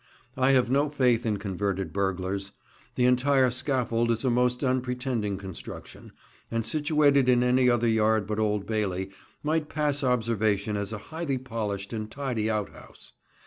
I have no faith in converted burglars. The entire scaffold is a most unpretending construction, and situated in any other yard but Old Bailey might pass observation as a highly polished and tidy out house.